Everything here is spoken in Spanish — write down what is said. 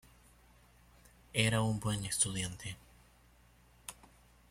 Era un buen estudiante.